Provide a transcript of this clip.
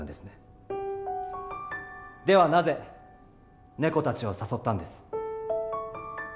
ではなぜネコたちを誘ったんです？